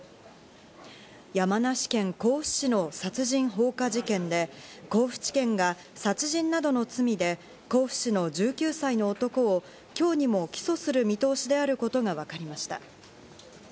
山梨県甲府市の殺人放火事件で、甲府地検が殺人などの罪で甲府市の１９歳の男を、今日にも起訴する見通しであることがわかりました。